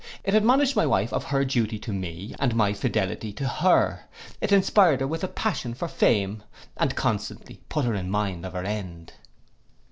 It admonished my wife of her duty to me, and my fidelity to her; it inspired her with a passion for fame, and constantly put her in mind of her end.